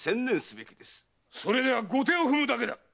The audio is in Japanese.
それでは後手を踏むだけだ！